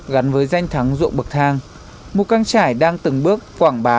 gắn với danh thắng ruộng bậc thang mù căng trải đang từng bước quảng bá